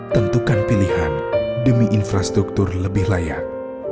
tentukan pilihan demi infrastruktur lebih layak